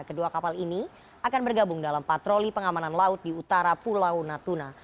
kedua kapal ini akan bergabung dalam patroli pengamanan laut di utara pulau natuna